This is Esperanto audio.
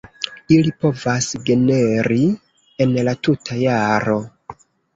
Ili povas generi en la tuta jaro.